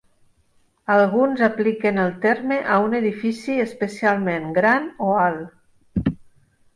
Alguns apliquen el terme a un edifici especialment gran o alt.